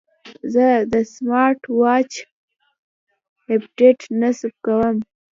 زه د سمارټ واچ اپډیټ نصب کوم.